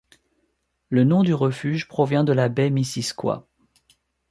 Le nom du refuge provient de la baie Missisquoi.